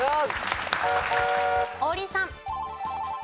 王林さん。